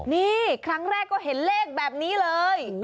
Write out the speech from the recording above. นี่ครั้งแรกก็เห็นเลขแบบนี้เลย